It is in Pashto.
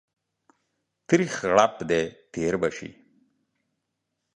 تريخ غړپ دى تير به سي.